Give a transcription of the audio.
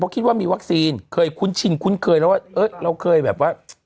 คิดว่ามีวัคซีนเคยคุ้นชินคุ้นเคยแล้วว่าเออเราเคยแบบว่า